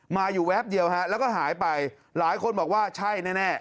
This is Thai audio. อยู่แวบเดียวฮะแล้วก็หายไปหลายคนบอกว่าใช่แน่